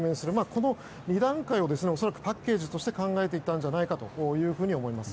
この２段階を恐らくパッケージとして考えていたんだろうと思います。